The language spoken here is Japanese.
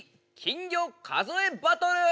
金魚数えバトル！」。